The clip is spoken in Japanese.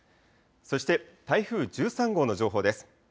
そして台風１３号の情報です。